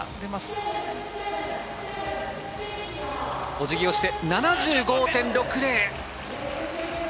おじぎをして７５．６０。